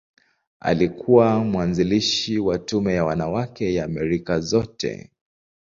Alikuwa mwanzilishi wa Tume ya Wanawake ya Amerika Zote.